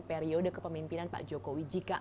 periode kepemimpinan pak jokowi jika